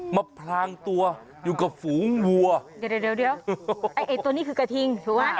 มันพรางตัวอยู่กับฝูงวัวเดี๋ยวตัวนี้คือกระทิงถูกไหม